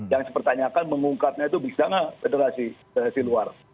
yang saya pertanyakan mengungkapnya itu bisa nggak federasi federasi luar